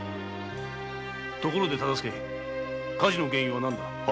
ところで大岡火事の原因は何だ？